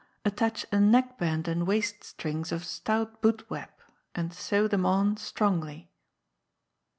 Attach a neck band and waist strings of stout boot web, and sew them on strongly.